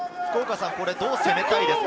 どう攻めたいですか？